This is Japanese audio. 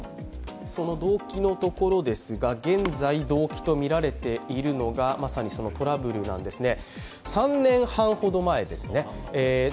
その動機のところですが、現在動機とみられているのがまさにそのトラブルなんですね。